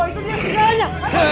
oh itu dia sirgalannya